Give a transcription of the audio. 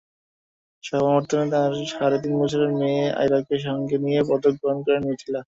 সমাবর্তনে তাঁর সাড়ে তিন বছরের মেয়ে আইরাকে সঙ্গে নিয়ে পদক গ্রহণ করেন মিথিলা।